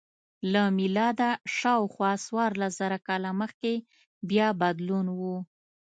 له میلاده شاوخوا څوارلس زره کاله مخکې بیا بدلون و